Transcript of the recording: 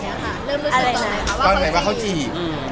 เริ่มรู้สึกตอนไหนว่าเขาจีบ